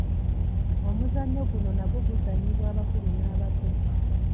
Omuzannyo guno nagwo guzannyibwa abakulu n’abato.